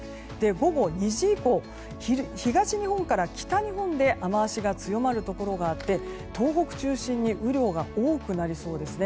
午後２時以降東日本から北日本で雨脚が強まるところがあって東北中心に雨量が多くなりそうです。